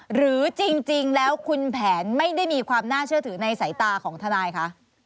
หรือจริงแล้วคุณแผนไม่ได้มีความน่าเชื่อถือในสายตาของทนายคะ